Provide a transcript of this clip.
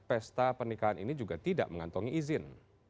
pesta pernikahan ini juga tidak mengantongi izin